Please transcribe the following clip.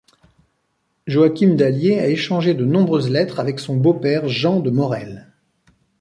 Joachim d'Allier a échangé de nombreuses lettres avec son beau-père Jean de Morel.